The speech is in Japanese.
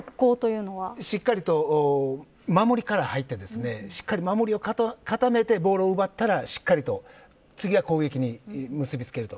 しっかりと、守りから入って守りを固めてボールを奪ったらしっかりと次は攻撃に結びつけると。